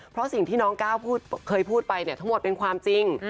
เพราะสิ่งที่น้องก้าวเคยพูดไปเนี่ยทั้งหมดเป็นความจริง